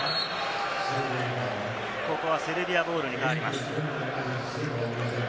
セルビアボールに変わります。